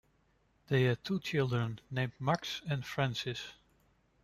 They had two children named Max and Francis.